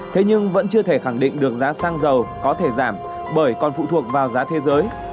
thế nhưng vẫn chưa thể khẳng định được giá xăng dầu có thể giảm bởi còn phụ thuộc vào giá thế giới